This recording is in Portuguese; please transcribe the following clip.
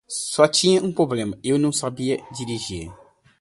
Só tinha um problema, eu não sabia dirigir.